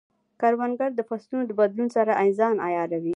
کروندګر د فصلونو د بدلون سره ځان عیاروي